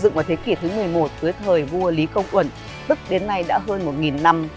ngoài thế kỷ thứ một mươi một tuổi thời vua lý công ẩn bức đến nay đã hơn một năm